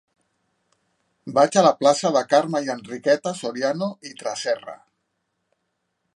Vaig a la plaça de Carme i Enriqueta Soriano i Tresserra.